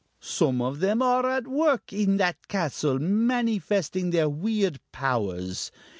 Some of them are at work in that castle, manifesting their weird powers.